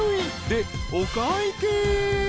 ［でお会計］